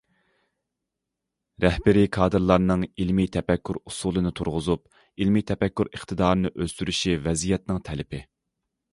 رەھبىرىي كادىرلارنىڭ ئىلمىي تەپەككۇر ئۇسۇلىنى تۇرغۇزۇپ، ئىلمىي تەپەككۇر ئىقتىدارىنى ئۆستۈرۈشى ۋەزىيەتنىڭ تەلىپى.